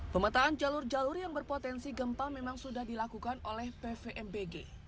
pemetaan jalur jalur yang berpotensi gempa memang sudah dilakukan oleh pvmbg